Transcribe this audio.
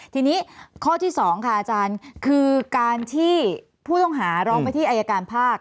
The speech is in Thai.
ทีนี้ข้อที่๒ค่ะอาจารย์คือการที่ผู้ต้องหาร้องไปที่อายการภาค